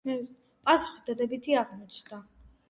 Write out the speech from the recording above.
პასუხი დადებითი აღმოჩნდა.